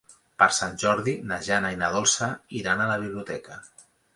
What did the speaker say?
Per Sant Jordi na Jana i na Dolça iran a la biblioteca.